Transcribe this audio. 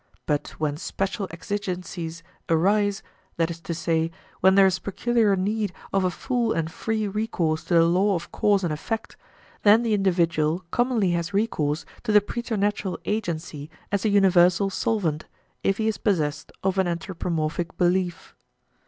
But when special exigencies arise, that is to say, when there is peculiar need of a full and free recourse to the law of cause and effect, then the individual commonly has recourse to the preternatural agency as a universal solvent, if he is possessed of an anthropomorphic belief.